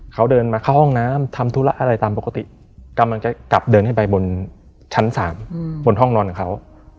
เขาเดินมาเข้าห้องน้ำทำธุระอะไรตามปกติกำลังจะกลับเดินขึ้นไปบนชั้น๓บนห้องนอนของเขา